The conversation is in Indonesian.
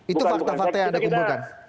itu fakta fakta yang anda kumpulkan